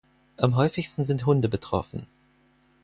Am häufigsten sind Hunde betroffen.